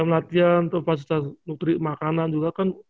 latihan pasir makanan juga kan